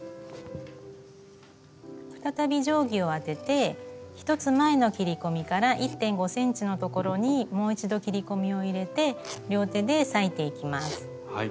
再び定規を当てて１つ前の切り込みから１．５ｃｍの所にもう一度切り込みを入れて両手で裂いていきます。